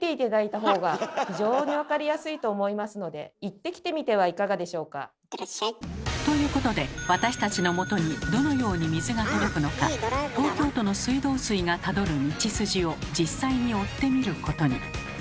いってらっしゃい！ということで私たちのもとにどのように水が届くのか東京都の水道水がたどる道筋を実際に追ってみることに。